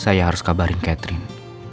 saya harus kabarin catherine